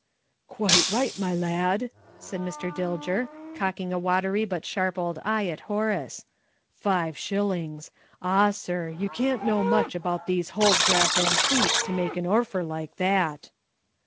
"Quite right, my lad!" said Mr. Dilger, cocking a watery but sharp old eye at Horace. "Five shillings! Ah, sir, you can't know much about these hold brass antiquities to make an orfer like that."